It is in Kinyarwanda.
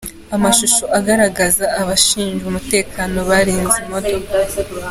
Amashusho agaragaza abashinzwe umutekano barinze imodoka